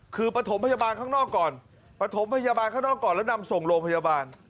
คือปฐมพยาบาลข้างนอกก่อนปฐมพยาบาลข้างนอกก่อนแล้วนำส่งโรงพยาบาล